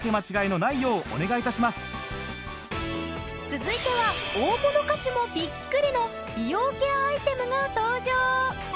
続いては大物歌手もびっくりの美容ケアアイテムが登場。